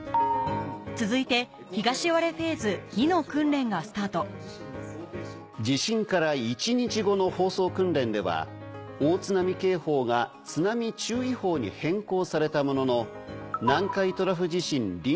続いてがスタート地震から１日後の放送訓練では大津波警報が津波注意報に変更されたものの。